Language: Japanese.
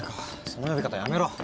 その呼び方やめろ！